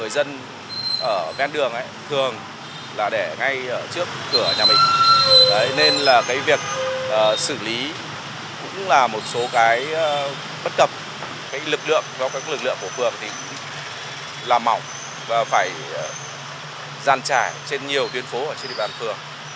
dàn trải trên nhiều tuyến phố ở trên địa bàn phường